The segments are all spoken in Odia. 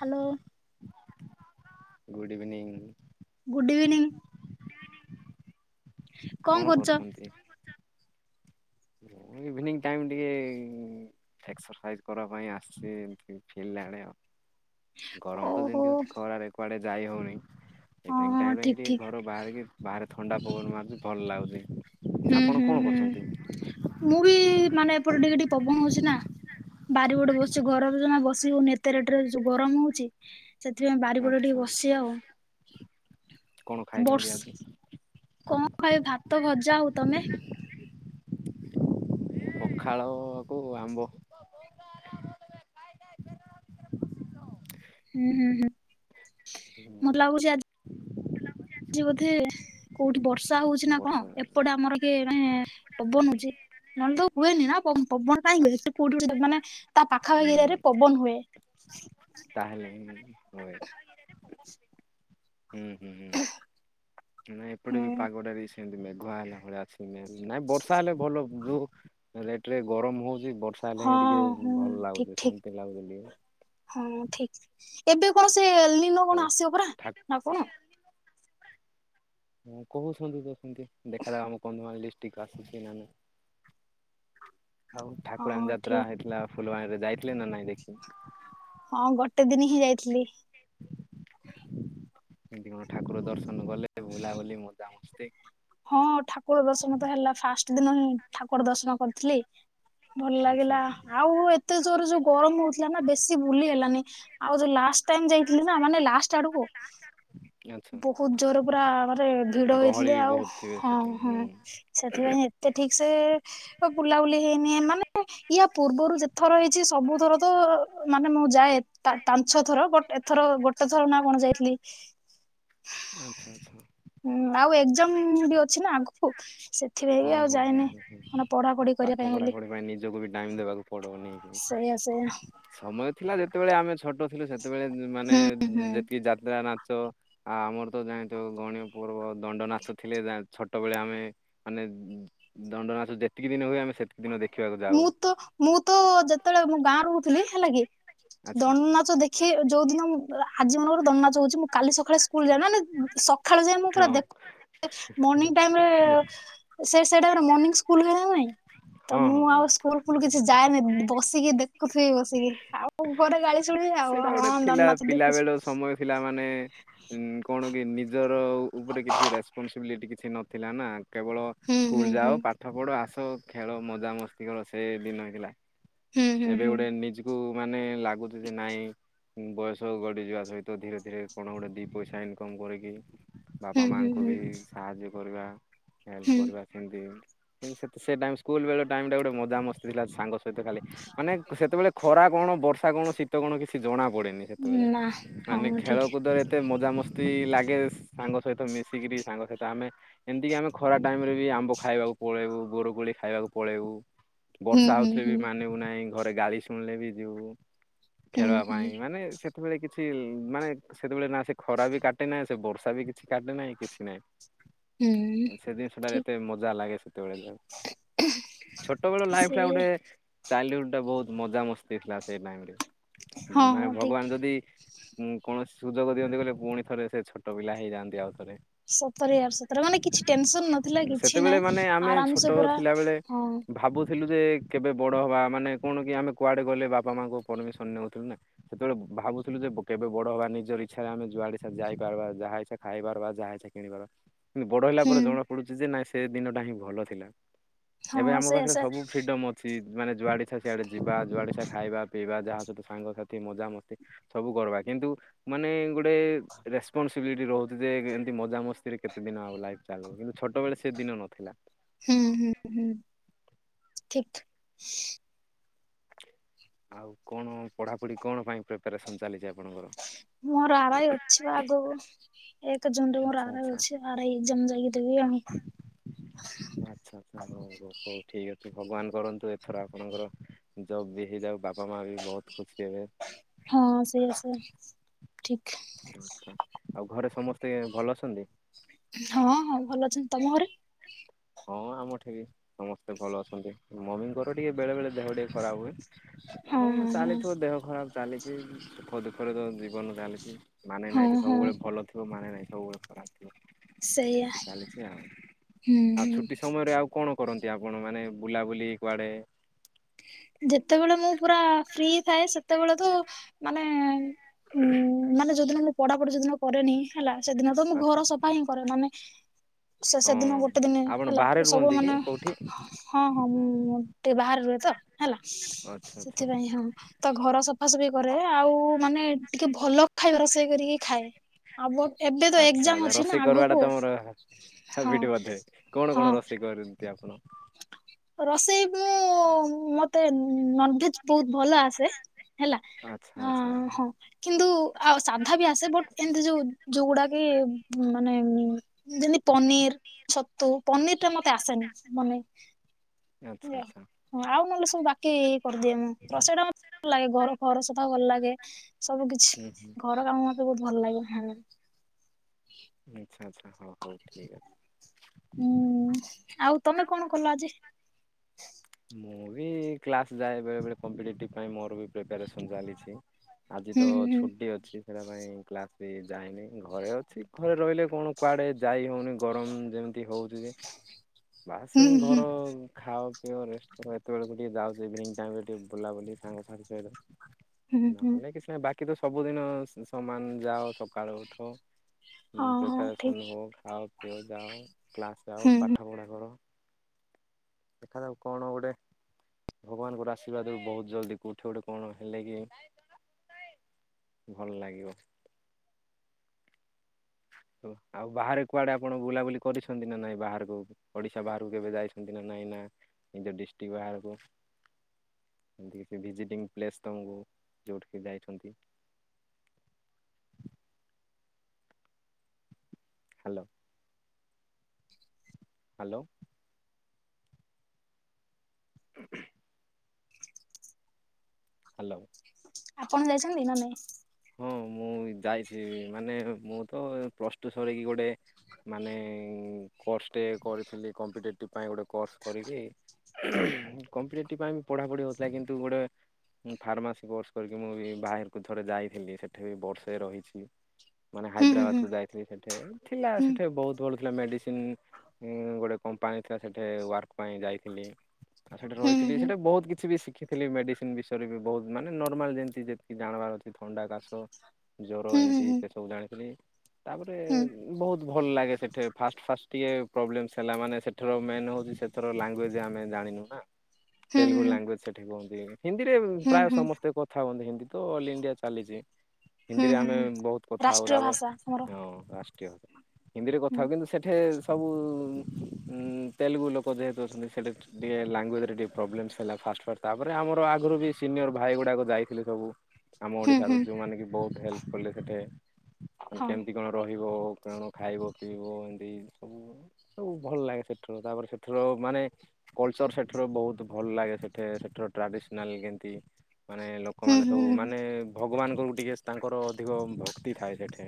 Hello. Good evening. Good evening. କଣ କରୁଛନ୍ତି? ଇଭିନିଂ ଟାଇମ ଟିକେ ଏକ୍ସରସାଇଜ୍ କରିବା ପାଇଁ ଆସିଛି ଏମତି ଫିଲ୍ ଆଡେ ଆଉ। ଗରମ ତ ଓହୋ ଯେମିତି ହଉଛି ଖରାରେ କୁଆଡେ ଯାଇ ହଉନି। ହଁ ଇଭିନିଂ ହଁ ଟାଇମ ରେ ଠିକ ଏଇଠି ଠିକ ଘର ବାହାରିକି ବାହାରେ ଥଣ୍ଡା ପବନ ମାରୁଛି ଭଲ ଲାଗୁଛି। ହୁଁ- ଆପଣ କଣ ହୁଁ- କରୁଛନ୍ତି? ହୁଁ- ମୁଁ ବି ମାନେ ଏପଟ ଟିକେ ଟିକେ ପବନ ହଉଛି ନା। ବାରି ପଟେ ବସିଛି ଘରେ ଜମା ବସି ହଉନି ଏତେ ରେଟ ରେ ଯୋଉ ଗରମ ହଉଛି। ସେଥିପାଇଁ ବାରିପଟ ଆଚ୍ଛା ଟିକେ ବସିଛି ଆଉ। କଣ ଖାଇଛନ୍ତି ଆଜି? ବର୍ଷ କଣ ଖାଇ ଭାତ ଭଜା। ଆଉ ତମେ? [unintelligible] ପଖାଳକୁ ଆମ୍ବ। ହୁଁ- ହୁଁ- ହୁଁ ମତେ ଲାଗୁଛି ଆଜି ଆଜି ବୋଧେ କୋଉଠି ବର୍ଷା ହଉଛି ନା କଣ ବର୍ଷା ଏପଟେ ଆମର କିଏ ମାନେ ପବନ ହଉଛି ନହେଲେ ତ ହୁଏନି ନା ପବନ କାହିଁ ହୁଏ? ସେ କୋଉଠି ଗୋଟେ ମାନେ ତା ହୁଁ ପାଖାପାଖି ଏରିଆରେ ପବନ ହୁଏ। ତାହେଲେ ହୁଏ। ହୁଁ- ହୁଁ -ହୁଁ ନାଁ ଏପଟେ ହୁଁ ବି ପାଗଟା ବି ସେ ସେମତି ମେଘୁଆ ହେଲା ଭଳିଆ ଅଛି। ନାଇଁ ବର୍ଷା ହେଲେ ଭଲ ଯୋଉ ଯୋଉ ରେଟେରେ ଗରମ ହଉଛି ବର୍ଷା ହେଲେ ହଁ ହିଁ ଟିକେ ହଁ ଭଲ ଠିକ ଲାଗୁଛି। ଠିକ। ଶାନ୍ତି ଲାଗୁଛି ଟିକେ। ହଁ ଠିକ୍ ଏବେ କଣ ସେ ଏଲିନ ହଉ। କଣ ଆସିବ ପରା ନା କଣ? ହଁ କହୁଛନ୍ତି ତ ସେମିତି ଦେଖା ଯାଉ ଆମ କନ୍ଧମାଳ ଡିଷ୍ଟିକ୍ ଆସୁଛି ନା ନାଇଁ। ଆଉ ଠାକୁରାଣୀ ହଁ ଯାତ୍ରା ଠିକ ହେଇଥିଲା ଫୁଲବାଣୀରେ ଯାଇଥିଲେ ନା ନାଇଁ ଦେଖି? ହଁ ଗୋଟେ ଦିନ ହିଁ ଯାଇଥିଲି। କେମିତି କଣ ଠାକୁର ଦର୍ଶନ କଲେ? ବୁଲାବୁଲି ମଜା ହଁ ଠାକୁର ଦର୍ଶନ ତ ହେଲା ଫାଷ୍ଟ ଦିନ ହିଁ ଠାକୁର ଦର୍ଶନ କରିଥିଲି। ଭଲ ଆଚ୍ଛା ଲାଗିଲା। ଆଉ ଏତେ ଜୋର ଯୋଉ ଗରମ ହଉଥିଲା ନା ବେଶୀ ବୁଲି ହେଲାନି। ଆଉ ଯୋଉ ଲାଷ୍ଟ ଟାଇମ ଯାଇଥିଲି ନା ମାନେ ଲାଷ୍ଟ ଆଡକୁ। ଆଚ୍ଛା ବହୁତ ଜୋରରେ ପୁରା ମାନେ ଭିଡ ଗହଳି ହେଇଥିଲେ। ବି ଆଉ ବହୁତ ଥିବେ ସେଠି ହଁ- ହଁ ହୁଁ। ସେଥିପାଇଁ ଏତେ ଠିକ ସେ ବୁଲାବୁଲି ହେଇନି ମାନେ ୟା ପୂର୍ବରୁ ଯେ ଥର ହେଇଛି ସବୁ ଥର ତ ମାନେ ମୁଁ ଯାଏ ତା ତାଞ୍ଚ ଥର ବଟ ଥର ଗୋଟେ ଥର ନା କଣ ଯାଇଥିଲି? ଆଚ୍ଛା, ଆଚ୍ଛା। ହୁଁ, ଆଉ ଏକ୍ଜାମ ମୁଁ ବି ଅଛି ନା ଆଗକୁ ସେଥିପାଇଁ ହଁ ବି ଆଉ ହଁ ହଁ ଯାଇଏନି ହଁ ହଁ। କଣ ପଢା ପଢି କରିବା ପାଠ ପାଇଁ ବୋଲି? ପଢ଼ାପଢ଼ି ପାଇଁ ନିଜକୁ ବି ଟାଇମ୍ ଦେବାକୁ ପଡ଼ବନି। ସେଇଆ, ସେଇଆ। ସମୟ ଥିଲା ଯେତେବେଳେ ଆମେ ଛୋଟ ଥିଲୁ ସେତେବେଳେ ମାନେ ହୁଁ ହୁଁ ଯେତିକି ଯାତ୍ରା ନାଚ ଆ ଆମର ତ ଜାଣିଥିବ ଗଣିଆ ପର୍ବ ଦଣ୍ଡ ନାଚ ଥିଲେ ଛୋଟବେଳେ ଆମେ ମାନେ ଦଣ୍ଡ ନାଚ ଯେତିକି ଦିନ ହୁଏ ଆମେ ସେ ମୁଁ ତ -ମୁଁ ତ ଯେତେଏଳେ ମୁଁ ଗାଁ ରହୁଥିଲି ହେଲା କି? ଆଚ୍ଛା ଦନ୍ ନାଚ ଦେଖି ଯୋଉ ଦିନ ମୁଁ ଆଜି ମୋର ଦନ୍ ନାଚ ହୋଉଚି ମୁଁ କାଲି ସଖାଳେ ସ୍କୁଲ ଯାଏ, ମାନେ ସଖାଳୁ ଯାଏ ମୁଁ ପୁରା ହଁ ଦେଖ ମନିଙ୍ଗ ଟାଇମ୍ ରେ ସେଇ ସେଇ ଟାଇମ୍ ରେ ମନିଙ୍ଗ୍ ସ୍କୁଲ୍ ଯିବେ ନାଁ ହ୍ନାଇଁ। ତ ହଁ ହଁ ମୁଁ ହଁ ଆଉ ସ୍କୁଲ୍ ଫୁଲ୍ କିଛି ଯାଏନି, ଦି ବସିକି ଦେଖୁଥିବି ବସିକି ଆଉ। ଉ ଗରେ ଗାଳି ଶୁଣିବି ଆଉ ହଁ ହଁ ଦନ୍ ନାଚ ଦେଖୁଚି। ପିଲାମାନେ ଉଁ କଣ କି ନିଜର ଉପରେ କିଛି ରେସ୍ପନସିବିଲିଟି କିଛି ନଥିଲା ନା କେବଳ ହୁଁ ହୁଁ ସ୍କୁଲ୍ ହୁଁ ଯାଅ ପାଠ ପଢ ଆସ ଖେଳ ମଜାମସ୍ତି କର ସେଦିନ୍ ନାଗିଲା। ହୁଁ ଏବେ ହୁଁ ଗୋଟେ ନିଜ୍କୁ ମାନେ ଲାଗୁଚି ଯେ ନାଇଁ। ବୟସ ଗଡ଼ିଯିବା ସହିତ ଧୀରେ ଧୀରେ କଣ ଗୋଟେ ଦି ପଇସା ଇନକମ୍ କରିକି ହୁଁ ବାପା ହୁଁ ମାଙ୍କୁ ହୁଁ ବି ସାହାଯ୍ୟ କରିବା ହେଲ୍ପ ହୁଁ କରିବା। ସେମତି କିନ୍ତୁ ସେତ୍ ସେ ଡାଇମ୍ ସ୍କୁଲ ବେଳ ଟାଇମ୍ ଟା ଗୋଟେ ମଜାମସ୍ତି ଥିଲା ସାଙ୍ଗ ସହିତ ଖାଲି ମାନେକ୍ ସେତେବେଳେ ଖରା କଣ, ବର୍ଷା କଣ, ଶୀତ କଣ କିଛି ଜଣା ପଡେନି। ହୁଁ ସେତେବେଳେ ନା ହଁ ମାନେ ଠିକ ଖେଳକୁଦରେ ଏ ଏତେ ମଜାମସ୍ତି ଲାଗେ ସାଙ୍ଗ ସଇତ ମିଶିକିରି ସାଙ୍ଗ ସଇତ ଆମେ ଏମିତିକି ଆମେ ଖରା ଟାଇମ୍ ରେ ବି ଆମ୍ବ ଖାଇଆକୁ ପଳେଇବୁ। ବୋଉରକୋଳି ଖାଇଆକୁ ପଳେଇବୁ। ହୁଁ ବର୍ଷା ହୁଁ ହଉଥିଲେ ହୁଁ ବି ମାନିବୁ ନାହିଁ, ଘରେ ଗାଳି ଶୁଣିଲେ ବି ଯିବୁ। ହୁଁ ଖେଳବା ହୁଁ ପାଇଁ ମାନେ ସେତେବେଳେ କିଛି ମାନେ ସେତେବେଳେ ନା ସେ ଖରା ବି କାଟେ ନାଇଁ, ସେ ବର୍ଷା ବି କିଛି କାଟେ ନାଇଁ କିଛି ନାହିଁ ହୁଁ ସେ ଦିନିଷଟା ଠିକ ଏତେ ମଜା ଲାଗେ ସେତେବେଳେ ଯାଉ, ଛୋଟବେଳ ଲାଇଫ୍ ସେ ଟା ଗୋଟେ ଚାଇଲ୍ଡହୁଡ୍ ଟା ବୋହୁତ୍ ମଜାମସ୍ତି ଥିଲା ସେଇ ଟାଇମ୍ ରେ, ହଁ ମାନେ ହଁ ଠିକ ଭଗବାନ୍ ଯଦି ହୁଁ କୌଣସି ସୁଯୋଗ ଦିଅନ୍ତେ ବୋଲେ, ପୁଣି ଥରେ ସେ ଛୋଟ ପିଲା ହେଇଯାଆନ୍ତି ଆଉ ଥରେ। ସତରେ ୟାର୍ ସତରେ ମାନେ କିଛି ଟେନସନ୍ ନଥିଲା କିଛି ସେତେବେଳେ ନହିଁ, ମାନେ ଆମେ ଆରାମ୍ ସେ ପୁରା ହଁ। ଥିଲୁ ଯେ କେବେ ବଡ ହବା ମାନେ କଣ କି ଆମେ କୁଆଡେ ଗଲେ ବାପା ମାଙ୍କ ପରମିସନ୍ ନେଉଥିଲୁ ନା। ସେତେବେଳେ ଭାବୁଥିଲୁ ଯେ ବ କେବେ ବଡ ହବା, ନିଜର ଇଚ୍ଛାରେ ଆମେ ଯୁଆଡେ ସିଆଡେ ଯାଇପାରବା, ଯାହାଇଚ୍ଛା ଖାଇ ପାରବା, ଯାହା ଇଚ୍ଛା କିଣିପାରବା କିନ୍ତୁ ବଡ ହେଲା ହୁଁ ପରେ ଜଣା ପଡୁଛି ଯେ, ନାଇଁ ସେ ଦିନ ଟା ହିଁ ଭଲ ଥିଲା। ଏବେ ହଁ ଆମ ସେ ପାଖରେ ସେ ସବୁ ଫ୍ରିଡମ୍ ଅଛି। ମାନେ ଯୁଆଡେ ଇଚ୍ଛା ସିଆଡେ ଯିବା, ଯୁଆଡେ ଇଚ୍ଛା ଖାଇବା। ପିଇବା ଯାହା ସହିତ ସାଙ୍ଗସାଥି ମଜା ମସ୍ତି ସବୁ କରବା କିନ୍ତୁ ମାନେ ଗୋଟେ ରେସ୍ପନସିବିଲିଟି ରହୁଚି ଯେ ଏମ୍ତି ମଜାମସ୍ତିରେ କେତେ ଦିନ ଆଉ ଲାଇଫ୍ ଚାଲୁ କିନ୍ତୁ ଛୋଟବେଳେ ସେ ଦିନ ନଥିଲା। ହୁଁ ହୁଁ ହୁଁ ଠିକ୍। ଆଉ କଣ ପଢାପଢି କଣ ପାଇଁ ପ୍ରିପ ପ୍ରିପ୍ୟାରେସନ୍ ଚାଲିଚି ଆପଣଙ୍କର? ମୋର ଆରଆଇ ଅଛି ପା ଆଗୁକୁ ଏକ ଜୁନ୍ ରେ ମୋର ଆଚ୍ଛା ଆରାଆଇ ଆଚ୍ଛା। ଅଛି। ଆରଆଇ ଏକ୍ସଜାମ୍ ଯାଇଁକି ଦେବି ଆଉ। ହୋଉ ହୋଉ ହୋଉ ଠିକ୍ ଅଛି ଭଗବାନ୍ କରନ୍ତୁ ଏଥର ଆପଣଙ୍କର ଜବ୍ ବି ହେଇଯାଉ ବା ବାପ ମାଆ ବି ବୋହୁତ୍ ଖୁସି ହେବେ। ହଁ ସେଇଆ ସେଇଆ ଠିକ ଆଉ ଘରେ ସମସ୍ତେ ଭଲ ଅଛନ୍ତି। ହଁ ହଁ ଭଲ ଅଛନ୍ତି। ତମ ଘରେ? ହଁ ଆମଠି ବି ସମସ୍ତେ ଭଲ ଅଛନ୍ତି। ମମିଙ୍କର ଟିକେ ବେଳେ ବେଳେ ଦେହ ଟିକେ ଖରାପ୍ ହୁଏ। ହଁ ତାକୁ ହଁ ହଁ। ଚାଲିଥିବ ଦେହ ଖରାପ୍ ଚାଲିଚି ସୁଖ ଦୁଃଖରେ ତ ଜୀବନ ଚାଲିଚି। ମାନେ ହଁ ନାହିଁ ଯେ ହଁ ସବୁବେଳେ ଭଲଥିବ, ମାନେ ନାଇଁ ସବୁବେଳେ ଖରାପ୍। ସେଇଆ। ହୁଁ ଆଉ ହୁଁ ଛୁଟି ସମୟରେ ଆଉ କଣ କରନ୍ତି ଆପଣ ମାନେ ବୁଲାବୁଲି କୁଆଡେ। ଯେତେବେଳେ ମୁଁ ପୁରା ଫ୍ରି ଥାଏ ସେତେବେଳେ ତ ମାନେ ଉଁ [unintelligible] ମାନେ ଯୋଉଦିନ ମୁଁ ପଢାପଢି ଯୋଉଦିନ କରେନି ହେଲା ସେଦିନତ ମୁଁ ଆଚ୍ଛା ଘର ସଫାହିଁ କରେ ମାନେ ଶେଷଦିନ ଗୋଟେ ହଁ। ଆପଣ ଦିନିହେଲା ବାହାରେ ସେସବୁ ରୁହନ୍ତି କି ମାନେ କୋଉଠି ହଁ ହଁ ମୁଁ ଉୁଁ ଟିକିଏ ବାହାରେ ରୁହେତ ହେଲା ଆଚ୍ଛା ଆଚ୍ଛା ସେଥିପାଇଁ ହଁ। ତ ଘର ସଫାସଫି କରେ ଆଉ ମାନେ ଟିକିଏ ଭଲ ଖାଇବା ରୋଷେଇ କରିକି ଖାଏ। ଆଗ ଏବେତ ଆଚ୍ଛା ଏକଜାମ ଅଛିନା ଆଗକୁ। ହଁ ହାବିଟି ବୋଧେ କଣ ହଁ କଣ ରୋଷେଇ କରନ୍ତି ଆପଣ? ରୋଷେଇ ମୁଁ। ମତେ ନନଭେଜ ବହୁତ ଭଲଆସେ। ଆଚ୍ଛା ଆଚ୍ଛା। କିନ୍ତୁ ଆଉ ସାଧାବି ଆସେ ବଟ ଏମିତି ଯୋଉ ଯୋଉଗୁଡାକି ମାନେ ଯେମିତି ପନିର ଛତୁ ପନିରଟା ମତେ ଆସେନି ମନେ ଆଚ୍ଛା ଆଚ୍ଛା। ହଁ ଆଉ ନହେଲେ ସବୁ ବାକି କରିଦିଏ ମୁଁ ରୋଷେଇଟା ଭଲଲାଗେ ଘର ଫର ସଫା ଭଲଲାଗେ। ସବୁ କିଛି ହୁଁ ହୁଁ ଘର କାମ ମତେ ବହୁତ ଭଲଲାଗେ ହଁ। ଆଚ୍ଛା ଆଚ୍ଛା ହଉ ହଉ ଠିକଅଛି। ହୁଁ ଆଉ ତମେ କଣ କଲ ଆଜି? ମୁଁବି କ୍ଲାସ ଯାଏ ବେଳେ ବେଳେ କମ୍ପିଟେଟିଭ ପାଇଁ ମୋରବି ପ୍ରିପାରେସନ ଚାଲିଛି। ହୁଁ ଆଜିତ ହୁଁ ଛୁଟିଅଛି। ଦି ଥର ପାଇଁ କ୍ଲାସବି ଯାଇନି ଘରେଅଛି ଘରେ ରହିଲେ କଣ କୁଆଡେ ଯାଇ ହେଉନି। ଗରମ ଯେମିତି ହଉଛିବି ବାସ ହୁଁ ହୁଁ ଘର ଖାଅ ପିଓରେଷ୍ଟ କର ଏତେବେଳକୁ ଟିକିଏ ଯାଉଛି ଇଭିନିଂ ଟାଇମରେ ଟିକିଏ ବୁଲାବୁଲି ସାଙ୍ଗସାଥୀ ସହିତ। ହୁଁ ହୁଁ ହୁଁ। ନହେଲେ କିଛିନାହିଁ ବାକିତ ସବୁଦିନ ସମାନ ଯାଅ ସକାଳୁ ଉଠ। ହଁ ହଁ ଠିକ ପ୍ରିପାରେସନ ହଉ ଖାଅ ପିଉ ଯାଅ କ୍ଲାସ ଯାଅ ହୁଁ ହୁଁ। ପାଠ ପଢ଼ାକର। ଦେଖାଯାଉ କଣ ଗୋଟେ। ଭଗବାନଙ୍କର ଆଶୀର୍ବାଦରୁ ବହୁତ ଜଲ୍ଦି କଉଠି ଗୋଟେ କଣ ହେଲେବି ଭଲଲାଗିବ। ଆଉ ବାହାରେ କୁଆଡେ ଆପଣ ବୁଲାବୁଲି କରିଛନ୍ତିନା ନାଇଁ ବାହାରକୁ। ଓଡ଼ିଶା ବାହାରକୁ କେବେ ଯାଇଛନ୍ତିନା ନାଇଁ ନାଁ ନିଜ ଡିଷ୍ଟ୍ରିକ ବାହାରକୁ। ଏମିତି କିଛି ଭିଜିଟିଙ୍ଗ ପ୍ଲେସ ତମକୁ ଯେଉଁଠିକି ଯାଇଛନ୍ତି। ହାଲୋ। ହାଲୋ। [unintelligible] ହାଲୋ। ଆପଣ ଯାଇଛନ୍ତି ନାଁ ନାହିଁ? ହଁ ମୁଁ ଯାଇଛି ମାନେ ମୁଁତ ପ୍ଲସ ଟୁ ସରିକି ଗୋଟେ। ମାନେ କୋର୍ସଟେ କରିଥିଲି କମ୍ପିଟେଟିଭ ପାଇଁ ଗୋଟେ କୋର୍ସ କରିକି [unintelligible] କମ୍ପିଟେଟିଭ ପାଇଁବି ପଢାପଢି ହଉଥିଲା କିନ୍ତୁ ଗୋଟେ। ମୁଁ ଫାର୍ମାସି କୋର୍ସ କରିକି ମୁଁବି ବାହାରକୁ ଥରେ ଯାଇଥିଲି ସେଠିବି ବର୍ଷେ ରହିଛି। ମାନେ ହୁଁ ହୁଁ ହାଇଦ୍ରାବାଦକୁ ଯାଇଥିଲି ସେଠି ଥିଲା ହୁଁ ସେଠି ବହୁତ ଭଡ ଥିଲା ମେଡ଼ିସିନ ଗୋଟେ କମ୍ପାନୀଥିଲା ସେଠି ୱାର୍କପାଇଁ ଯାଇଥିଲି। ଆଉ ସେଠ ହୁଁ ରହିଥିଲି ହୁଁ ସେଠି ବହୁତ କିଛିବି ଶିଖି ଶିଖିଥିଲି ମେଡିସିନ ବିଷୟରେବି ବହୁତ ମାନେ ନର୍ମାଲ ଯେମିତି ଯେତିକି ଜାଣିବାର ଅଛି ଥଣ୍ଡା କାଶ। ଜ୍ଵର ହୁଁ ହୁଁ ହୁଁ ଏମିତି ହୁଁ। ସେସବୁ ଜାଣିଥିଲି ତାପରେ ବହୁତ ଭଲଲାଗେ ସେଠି ଫାଷ୍ଟ ଫାଷ୍ଟ ଟିକିଏ ପ୍ରୋବ୍ଲେମ୍ସ୍ ହେଲା ମାନେ ସେଠାର ମେନ ହେଉଛି ସେ ତର ଲାଙ୍ଗୁଏଜ ଆମେ ଜାଣିନୁ ନା। ହୁଁ ହୁଁ ତେଲୁଗୁ ହୁଁ ଲାଙ୍ଗୁଏଜ ସେଠି କୁହନ୍ତି ହିନ୍ଦୀରେ ହୁଁ ପ୍ରାୟ ହୁଁ ହୁଁ ସମସ୍ତେ କଥା ହୁଅନ୍ତି ହିନ୍ଦୀ ତ ଅଲ ଇଣ୍ଡିଆ ଚାଲିଚି ହୁଁ ହିନ୍ଦୀରେ ଆମେ ହୁଁ। ବୋହୁତ କଥା ହୋଉ ରାଷ୍ଟ୍ରୀୟ ଭାଷା ଆମର ତାପରେ ହିନ୍ଦୀରେ ହୁଁ କଥା ହଉ କିନ୍ତୁ ସେଠେ ସବୁ ଉଁ ତେଲୁଗୁ ଲୋକ ଯେହେତୁ ଅଛନ୍ତି ସେଠି ଟିକେ ଲାଙ୍ଗୁଏଜ ରେ ଟିକେ ପ୍ରୋବ୍ଲେମଶ୍ ହେଲା ଫାଷ୍ଟ ଫାଷ୍ଟ ତାପରେ ଆମର ଆଗରୁ ବି ସିନିୟର ଭାଇ ଗୁଡାକ ଯାଇଥିଲେ ସବୁ। ଆମ ହୁଁ ଓଡିଶାରୁ ହୁଁ ଯୋଉ ମାନେ କି ବୋହୁତ ହେଲ୍ପ କଲେ ସେଠେ ମାନେ ହଁ କେମିତି କଣ ରହିବ କିଅଣ ଖାଇବ ପିଇବ ଏମିତି ସବୁ। ସବୁ ଭଲ ଲାଗେ ସେଥିରୁ ତାପରେ ସେଥିରୁ ଆଉ ମାନେ କଲଚର ସେଠାରୁ ବୋହୁତ ଭଲ ଲାଗେ ସେଠେ ସେଠର ଟ୍ରାଡିସନାଲ କେମତି ମାନେ ଲୋ ହୁଁ ଲୋକମାନେ ହୁଁ ସବୁ ହୁଁ ମାନେ ଭଗବାନ [unintelligible] ଟିକଏ ତାଙ୍କର ଅଧିକ ଭକ୍ତି ଥାଏ ସେଠେ।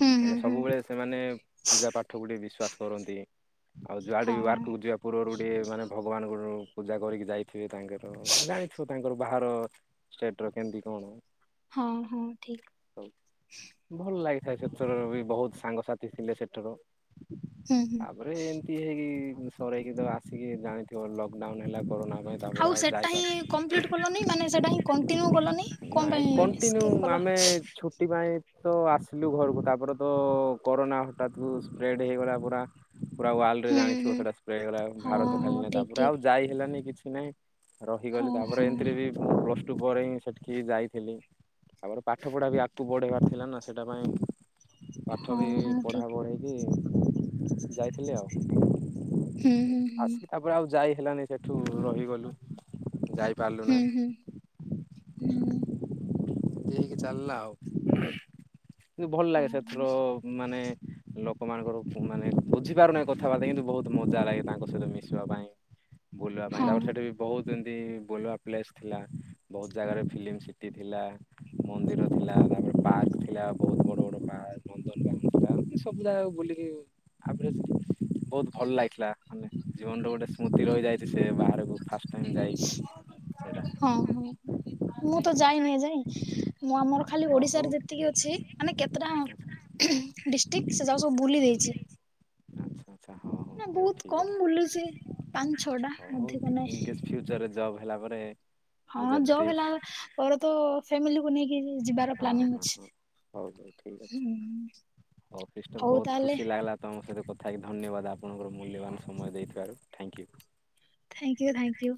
ହୁଁ ମାନେ ହୁଁ ହୁଁ। ସବୁବେଳେ ସେମାନେ ପୂଜା ପାଠକୁ ଟିକେ ବିଶ୍ବାାସ କରନ୍ତି। ଆଉ ଯୁଆଡ଼େ ବି ହଁ ୱାର୍କକୁ ଯିବା ପୂର୍ବରୁ ଟିକେ ମାନେ ଭଗବାନ [unintelligible] ପୂଜା କରିକି ଯାଇ ଥିବେ ତାଙ୍କର ଜାଣିଥିବ ତାଙ୍କର ବାହାର ଷ୍ଟେଟ ର କେମତି କଣ। ହଁ ହଁ ଠିକ୍। ସବୁ ଭଲ ଲାଗିଥାଏ [unintelligible] ବୋହୁତ ସାଙ୍ଗସାଥି ଥିଲେ ସେଠର। ହୁଁ ହୁଁ। ତାପରେ ଏ ଇଏ ହେଇକି ସରେଇକି ତ ଆସିକି ଜାଣିଥିବ ଲକଡାଉନ ହେଲା କରୋନା ପାଇଁ। ତାପରେ ଆଉ ସେଟା ଯାଇପାର ହଁ କମ୍ପ୍ଲିଟ କଲନି ମାନେ ସେଟା ହଁ କ ଣ୍ଟିନିୟୁ କଁ ପାଇଁ ସ୍କିପ କଲ। ସେଥିପାଇ ତ ଆସିଲୁ ଘରୁକୁ ତାପରେ ତ କରୋନା ହଠାତ କ ସ୍ପ୍ରେଡ ହେଇଗଲା ପୁରା। ପୁରା ୱାର୍ଲଡ ରେ ହୁଁ ଜାଣିଥିବ ହୁଁ ସେଟା [unintelligible] ହଁ ଭାରତ ଖାଲି ହଁ ନୁହଁ ତା ଠିକ ପରେ ଠିକ ଆଉ ଯାଇ ହେଲାନି କିଛି ନାଇଁ। ରହିଗଲି ହଁ ତାପରେ ହଁ ଏନ୍ତିରେ ବି ମୁଁ ପ୍ଲସ ଟୁ ପରେ ହିଁ ସେଠିକି ଯାଇଥିଲି। ତାପରେ ପାଠ ପଢ଼ା ବି ଆଗକୁ ବଢ଼େଇବାର ଥିଲା ନା ସେଇଟା ପାଇଁ ପାଠ ହଁ ବି ହଁ ପଢ଼ା ଠିକ ବଢ଼େଇକି ଯାଇଥିଲି ଆଉ। ହୁଁ ହୁଁ ହୁଁ। ହୁଁ ହୁଁ ହୁଁ। ଏମିତି ହେଇକି ଚାଲିଲା ଆଉ କିନ୍ତୁ ଭଲ ହୁଁ ଲାଗେ ସେଥୁରୁ ଉଁ ମାନେ ଲୋକମାନଙ୍କର ମାନେ ବୁଝିପାରୁନାହିଁ କଥାବାର୍ତ୍ତା କିନ୍ତୁ ବୋହୁତ ମଜା ଲାଗେ ତାଙ୍କ ସହିତ ମିଶିବା ପାଇଁ। [unintelligible] ବୁଲିବା ହଁ ପାଇଁ ହଁ ତାପରେ ସେଠି ବି ବୋହୁତ ଏମତି ବୁଲିବା ପ୍ଲେସ ଥିଲା ବୋହୁତ ଜାଗାରେ ଫିଲ୍ମ ଟି ଥିଲା ମନ୍ଦିର ଥିଲା ତାପରେ ପାର୍କ ଥିଲା ବୋହୁତ ବଡ ବଡ଼ ପାର୍କ। ନନ୍ଦନକାନନ ଥିଲା ଏମିତି ସବୁ ଜାଗାକୁ ବୁଲିକି ଅଭରେଜ୍ ବୋହୁତ ଭଲ ଲାଗିଥିଲା ମାନେ ଜୀବନଟା ଗୋଟେ ସ୍ମୃତି ରହିଯାଇଚି ସେ ବାହାରକୁ ଫା ହଁ ହଁ ମୁଁ ତ ଯାଇନି ଏଯାଇ। ମୁଁ ଆମର ଖାଲି ହ ହଉ ଓଡିଶାରେ ଯେତିକି ଅଛି ମାନେ କେତେଟା ଡିଷ୍ଟ୍ରିକ୍ଟ ସେ ଜାଗା ସବୁ ବୁଲି ଦେଇଚି। ଆଚ୍ଛା। ଆଚ୍ଛା ହଁ ହଁ ହୋଉ ବହୁତ ଠିକ୍ କମ ଅଛି। ବୁଲିଛି ପାଞ୍ଚ ଛଅଟା ହେଲା ଅଧିକ ନାହିଁ ପରେ ନିଜ ହଁ ଜବ ଡ୍ରିମ୍ସ ହେଲା ପରେ ତ ଫ୍ୟାମିଲିକୁ ନେଇ କି ଯିବାର ହଁ ହଁ ପ୍ଲାନିଂ ଅଛି ହଁ ହୁଁ। ହୋଉ ସିଷ୍ଟର ହଉ ବୋହୁତ ତାହେଲେ ଖୁସି ଲାଗଲା। ତମ ସହି କଥା ହେଇକି ଧନ୍ୟବାଦ ଆପଣଙ୍କର ମୂଲ୍ୟବାନ ସମୟ ଦେଇଥିବାରୁ thank you. Thank you thank you.